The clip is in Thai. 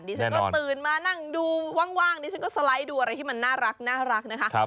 ฉันก็ตื่นมานั่งดูว่างดิฉันก็สไลด์ดูอะไรที่มันน่ารักนะคะ